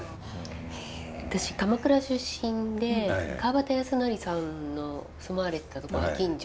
私鎌倉出身で川端康成さんの住まわれてた所が近所。